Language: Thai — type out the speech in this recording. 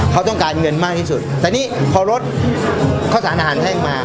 เขาต้องการเงินมากที่สุดแต่นี่พอลดข้าวสารอาหารแห้งมา